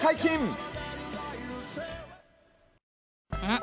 ん？